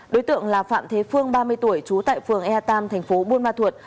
đối tượng là phạm thế phương ba mươi tuổi trú tại phường e ba thành phố buôn ma thuột